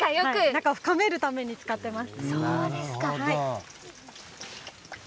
仲を深めるために使っています。